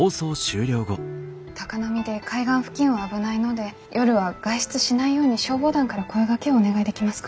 高波で海岸付近は危ないので夜は外出しないように消防団から声がけをお願いできますか？